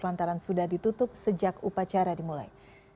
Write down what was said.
lantaran sudah ditutup sejak upacara dimulai